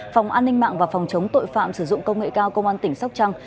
phòng an ninh mạng và phòng chống tội phạm sử dụng công nghệ cao công an tỉnh sóc trăng